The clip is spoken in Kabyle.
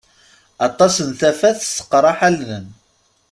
Aṭas n tafat tesseqṛaḥ allen.